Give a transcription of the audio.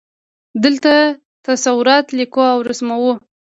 دلته تصورات لیکو او رسموو.